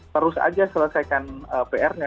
terus aja selesaikan pr nya